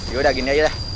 yaudah gini aja deh